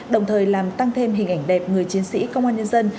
đồng thời làm tăng thêm hình ảnh đẹp người chiến sĩ công an nhân dân